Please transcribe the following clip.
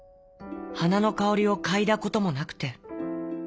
はなのかおりをかいだこともなくて。